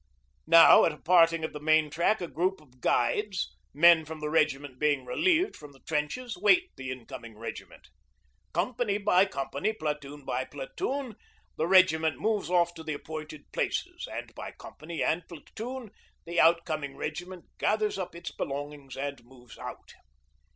Now, at a parting of the main track, a group of 'guides' men from the regiment being relieved from the trenches wait the incoming regiment. Company by company, platoon by platoon, the regiment moves off to the appointed places, and by company and platoon the outcoming regiment gathers up its belongings and moves out.